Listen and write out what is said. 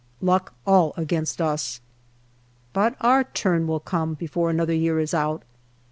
Luck all against us. But our turn will come before another year is out.